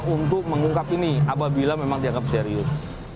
untuk mengungkap ini apabila memang dianggap serius